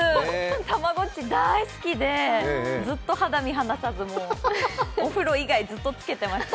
たまごっち大好きで、ずっと肌身離さず、お風呂以外ずっとつけてました。